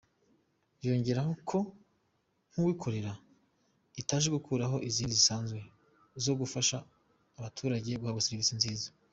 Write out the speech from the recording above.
Yongeraho ko Nk’uwikorera itaje gukuraho izindi zisanzwe zo gufasha abaturage guhabwa servisi nziza.